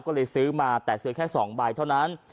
ก็เลยซื้อมาแต่ซื้อแค่๒ใบเท่านั้น